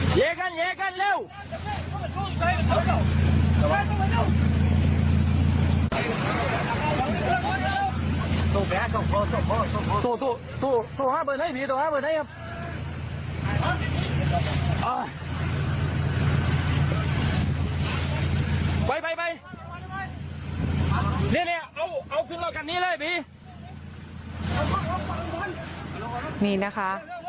ไปไปไปนี่นี่เอาเอาขึ้นรถการณ์นี้เลยบีนี่นะคะ